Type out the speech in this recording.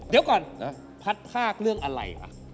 เดี๋ยวก่อนพัดภาคเรื่องอะไรวะ